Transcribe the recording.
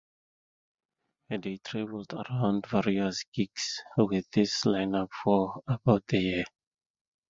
They traveled around playing various gigs with this lineup for about a year.